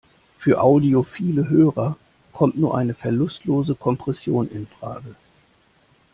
Für audiophile Hörer kommt nur eine verlustlose Kompression infrage.